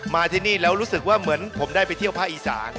มาที่นี่แล้วรู้สึกว่าเหมือนผมได้ไปเที่ยวภาคอีสาน